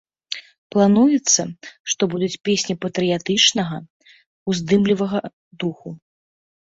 Плануецца, што будуць песні патрыятычнага, уздымлівага духу.